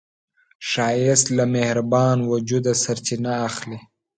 ښایست له مهربان وجوده سرچینه اخلي